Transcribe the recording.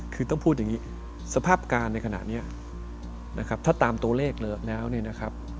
คือต้องพูดอย่างนี้สภาพการณ์ในขณะนี้นะครับถ้าตามตัวเลขแล้วเนี่ยนะครับ